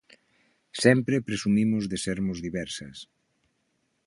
Sempre presumimos de sermos diversas.